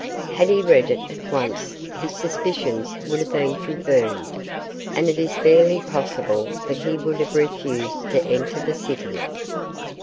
Had he read it at once his suspicions would have been confirmed, and it is barely possible that he would have refused to enter the city.